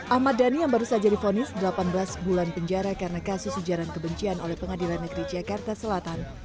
ahmad dhani yang baru saja difonis delapan belas bulan penjara karena kasus ujaran kebencian oleh pengadilan negeri jakarta selatan